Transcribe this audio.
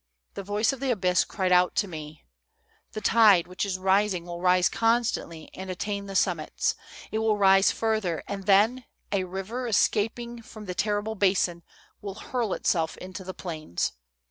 The voice of the abyss cried out to me: 'The tide, which is rising, will rise constantly and attain the summits. It will rise further, and, then, a river, escaping from the terrible basin, will hurl itself into the plains.